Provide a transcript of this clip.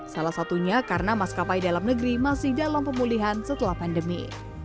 salah satunya karena maskapai dalam negeri masih dalam pemulihan setelah pandemi